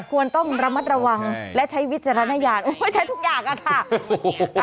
ควรต้องระมัดระวังและใช้วิจารณญาณใช้ทุกอย่างอะค่ะ